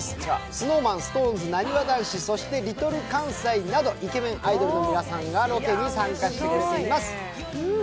ＳｎｏｗＭａｎ、ＳｉｘＴＯＮＥＳ、なにわ男子などイケメンアイドルの皆さんがロケに参加してくれています。